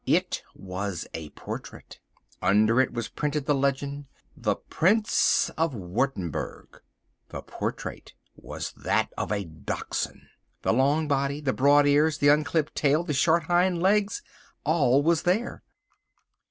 It was a portrait. Under it was a printed legend: THE PRINCE OF WURTTEMBERG The portrait was that of a Dachshund. The long body, the broad ears, the unclipped tail, the short hind legs—all was there.